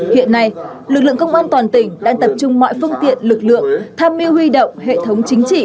hiện nay lực lượng công an toàn tỉnh đang tập trung mọi phương tiện lực lượng tham mưu huy động hệ thống chính trị